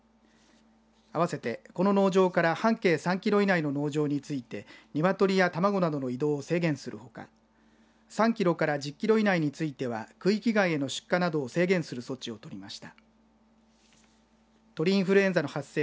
あわせて、この農場から半径３キロ以内の農場について鶏などの卵などの移動を制限するほか３キロから１０キロ以内については区域外への出荷などを制限する措置をとりました。